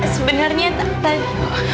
sebenarnya tak tahu